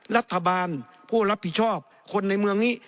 รัฐบาลผู้รับผิดชอบคนในเมืองนี้